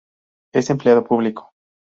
Es empleado público.